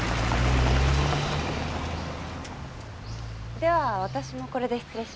では私もこれで失礼します。